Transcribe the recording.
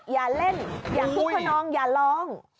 อย่าเล่นอย่าทุกคนลองอย่าลอง